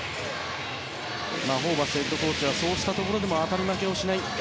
ホーバスヘッドコーチはそうしたところでも当たり負けをしないと。